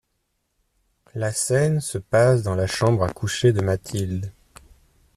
La scène se passe dans la chambre à coucher de Mathilde.